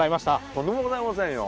とんでもございませんよ。